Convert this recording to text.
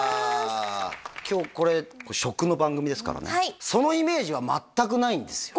今日これ食の番組ですからねはいそのイメージは全くないんですよ